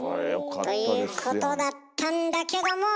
ということだったんだけども！